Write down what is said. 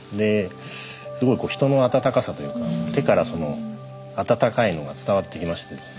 すごい人の温かさというか手から温かいのが伝わってきましてですね